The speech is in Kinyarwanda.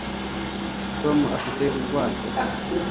tom afite ubwato